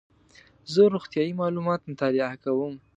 زه روغتیایي معلومات مطالعه کوم.